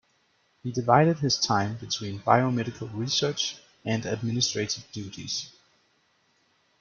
He divided his time between biomedical research and administrative duties.